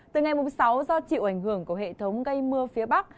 từ ngày sáu do chịu ảnh hưởng của hệ thống gây mưa phía bắc